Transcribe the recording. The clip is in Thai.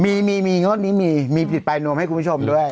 มีมีงวดนี้มีมีผิดปลายนวมให้คุณผู้ชมด้วย